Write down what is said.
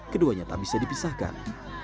keduanya tak bisa dipisahkan